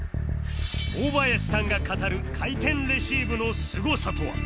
大林さんが語る回転レシーブのすごさとは？